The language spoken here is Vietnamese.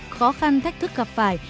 khó khăn thách thức gặp phải